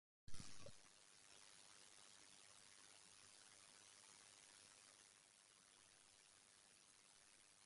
The generators operated in pairs and were built at different times.